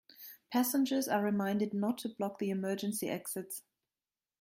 Passengers are reminded not to block the emergency exits.